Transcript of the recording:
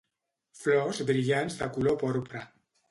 Flors brillants de color porpra.